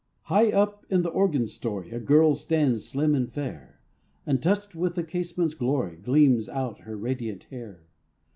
High up in the organ story A girl stands slim and fair; And touched with the casement's glory Gleams out her radiant hair.